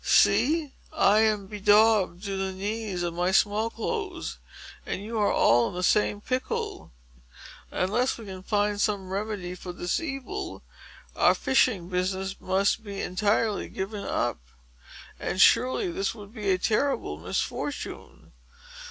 See! I am bedaubed to the knees of my small clothes, and you are all in the same pickle. Unless we can find some remedy for this evil, our fishing business must be entirely given up. And, surely, this would be a terrible misfortune!"